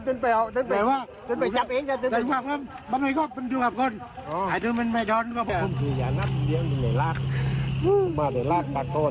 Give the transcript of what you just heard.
มาถึงหลายราคปากโตนไปซึ่ง